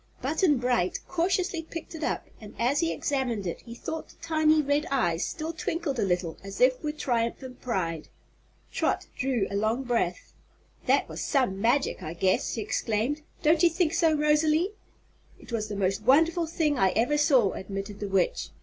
Button Bright cautiously picked it up and as he examined it he thought the tiny red eyes still twinkled a little, as if with triumph and pride. Trot drew a long breath. "That was some magic, I guess!" she exclaimed. "Don't you think so, Rosalie?" "It was the most wonderful thing I ever saw," admitted the Witch.